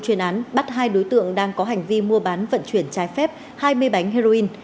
chuyên án bắt hai đối tượng đang có hành vi mua bán vận chuyển trái phép hai mươi bánh heroin